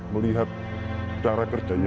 melihat darah kerjanya